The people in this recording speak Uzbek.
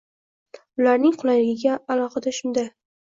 Ularning qulayligiga alohida shunda